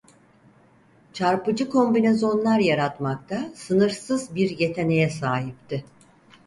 Çarpıcı kombinezonlar yaratmakta sınırsız bir yeteneğe sahipti.